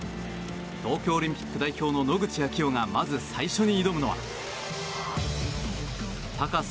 東京オリンピック代表の野口啓代が、まず最初に挑むのは高さ